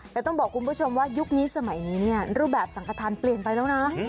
แต่ต้องบอกคุณผู้ชมว่ายุคนี้สมัยนี้เนี่ยรูปแบบสังขทานเปลี่ยนไปแล้วนะ